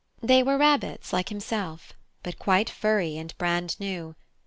They were rabbits like himself, but quite furry and brand new.